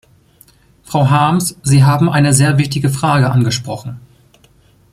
Frau Harms, Sie haben eine sehr wichtige Frage angesprochen.